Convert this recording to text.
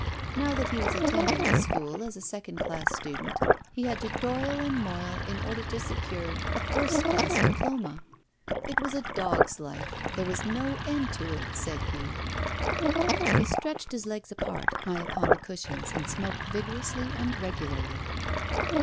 Now that he was attending the School as a second class student, he had to toil and moil in order to secure a first class diploma. It was a dog's life, there was no end to it, said he. He stretched his legs apart, high upon the cushions, and smoked vigorously and regularly.